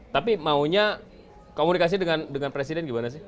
tapi maunya komunikasi dengan presiden gimana sih